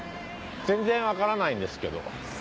全然わからないんですけど。